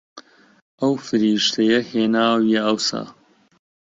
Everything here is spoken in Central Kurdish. ئەو فریشتەیە هێناویە ئەوسا